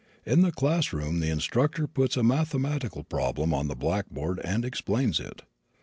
In the class room the instructor puts a mathematical problem on the blackboard and explains it.